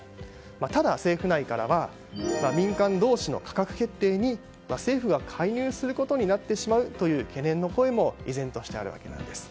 ただ政府内からは民間同士の価格決定に政府が介入することになってしまうという懸念の声も依然として、あるわけなんです。